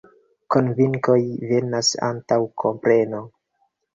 Konvinkoj venas antaŭ kompreno.